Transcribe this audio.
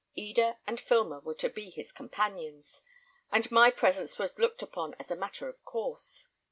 Eda and Filmer were to be his companions, and my presence was looked upon as a matter of course.